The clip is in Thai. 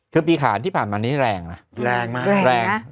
คือปีขานที่ผ่านมานี้แรงนะแรงมากแรง